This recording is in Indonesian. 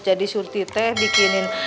jadi surti teh bikinin